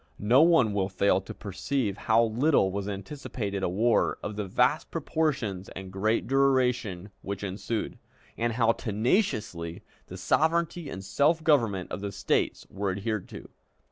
No one will fail to perceive how little was anticipated a war of the vast proportions and great duration which ensued, and how tenaciously the sovereignty and self government of the States were adhered to.